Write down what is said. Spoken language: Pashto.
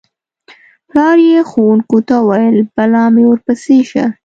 پلار یې ښوونکو ته وویل: بلا مې ورپسې شه.